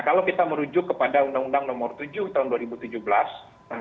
kalau kita merujuk kepada undang undang nomor tujuh tahun dua ribu tujuh belas